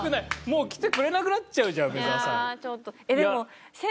もう来てくれなくなっちゃうじゃん梅澤さん。